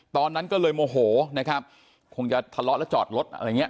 ตอนนั้นก็เลยโมโหนะครับคงจะทะเลาะแล้วจอดรถอะไรอย่างเงี้